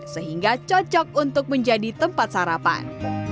sehingga cocok untuk menjadi tempat sarapan